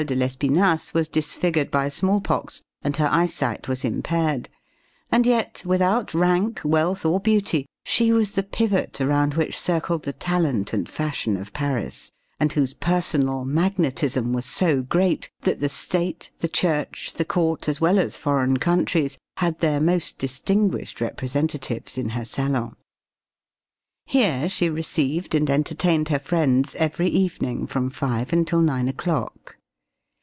de Lespinasse was disfigured by small pox and her eyesight was impaired; and yet, without rank, wealth or beauty, she was the pivot around which circled the talent and fashion of Paris, and whose personal magnetism was so great that the state, the church, the court, as well as foreign countries, had their most distinguished representatives in her salon. Here she received and entertained her friends every evening from five until nine o'clock.